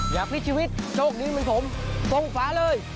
อยากให้ชีวิตโชคดีเหมือนผมทรงฝาเลย